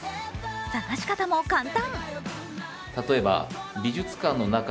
探し方も簡単。